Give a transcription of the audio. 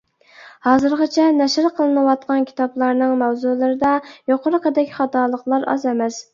ھازىرغىچە نەشر قىلىنىۋاتقان كىتابلارنىڭ ماۋزۇلىرىدا يۇقىرىقىدەك خاتالىقلار ئاز ئەمەس.